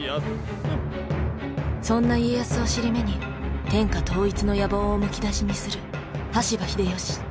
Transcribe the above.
そんな家康を尻目に天下統一の野望をむき出しにする羽柴秀吉。